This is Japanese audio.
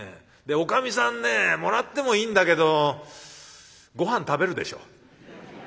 おかみさんねえもらってもいいんだけどごはん食べるでしょ。